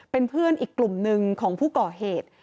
เป็นเพื่อนอีกกลุ่มหนึ่งของผู้ก่อเหตุ